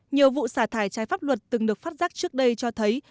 nhiều vụ xả thải trái pháp luật từng được phát giác trước đây cho thấy